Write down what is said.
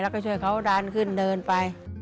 แล้วก็ช่วยเขาดันขึ้นเดินไป